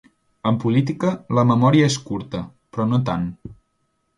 En política, la memòria és curta, però no tant.